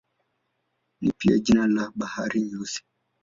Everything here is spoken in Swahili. Ni pia jina la Bahari Nyeusi.